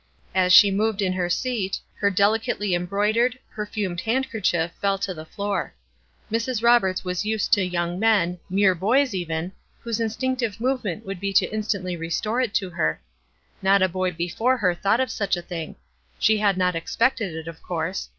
As she moved in her seat her delicately embroidered, perfumed handkerchief fell to the floor. Mrs. Roberts was used to young men mere boys, even whose instinctive movement would be to instantly restore it to her. Not a boy before her thought of such a thing. She had not expected it, of course.